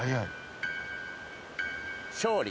勝利。